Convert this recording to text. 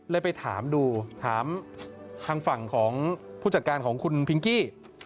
ไปถามดูถามทางฝั่งของผู้จัดการของคุณพิงกี้